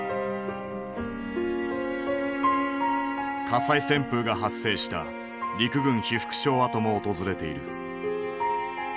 火災旋風が発生した陸軍被服廠跡も訪れている。